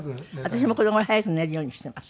私もこのごろ早く寝るようにしてます。